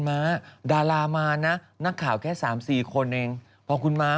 ปากดีนะเรา